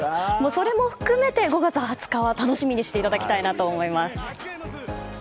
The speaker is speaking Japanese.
それも含めて、５月２０日は楽しみにしていただきたいです。